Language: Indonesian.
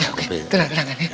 oke tenang tenang